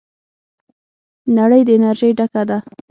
نړۍ د انرژۍ ډکه ده.